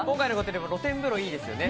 露天風呂、いいですよね。